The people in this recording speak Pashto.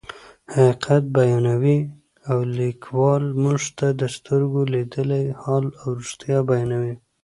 حقیقت بیانوي او لیکوال موږ ته د سترګو لیدلی حال او رښتیا بیانوي.